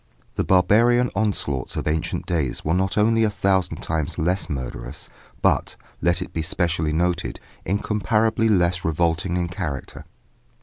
The barbarian onslaughts of ancient days were not only a thousand times less murderous, but, let it be specially noted, incomparably less revolting in character.